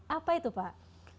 apa itu pak